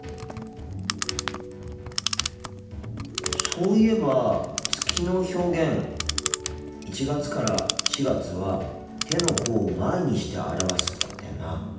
そういえば月の表現１月から４月は「手の甲を前にして表す」だったよな。